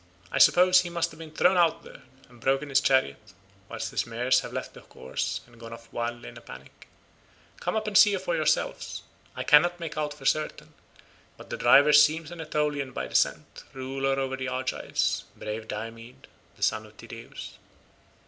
I suppose he must have been thrown out there, and broken his chariot, while his mares have left the course and gone off wildly in a panic. Come up and see for yourselves, I cannot make out for certain, but the driver seems an Aetolian by descent, ruler over the Argives, brave Diomed the son of Tydeus."